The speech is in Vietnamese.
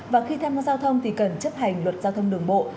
và khi tham gia giao thông thì cần chấp hành luật giao thông đường bộ